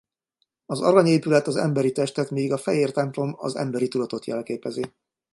Az arany épület az emberi testet míg a fehér templom az emberi tudatot jelképezi.